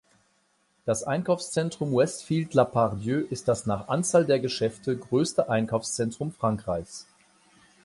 Das Einkaufszentrum Westfield La Part–Dieu ist das nach Anzahl der Geschäfte größte Einkaufszentrum Frankreichs.